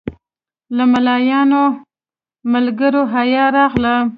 له ملایانو ملګرو حیا راغله.